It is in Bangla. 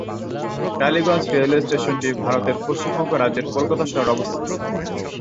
টালিগঞ্জ রেলওয়ে স্টেশনটি ভারতের পশ্চিমবঙ্গ রাজ্যের কলকাতা শহরে অবস্থিত।